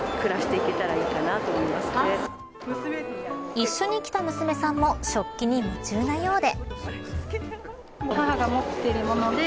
一緒に来た娘さんも食器に夢中なようで。